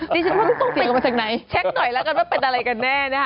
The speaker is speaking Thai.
ดิฉันว่าต้องไปเช็คหน่อยแล้วกันว่าเป็นอะไรกันแน่นะคะ